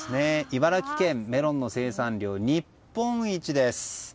茨城県はメロンの生産量日本一です。